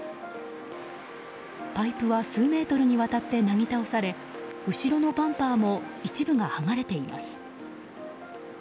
パイプは数メートルにわたってなぎ倒され後ろのバンパーも一部が剥がれています。